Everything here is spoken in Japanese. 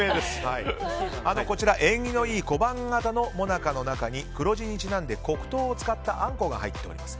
こちら、縁起のいい小判形の最中の中に黒字にちなんで黒糖を使ったあんこが入っています。